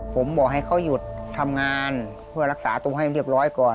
ผมบอกให้เขาหยุดทำงานเพื่อรักษาตัวให้เรียบร้อยก่อน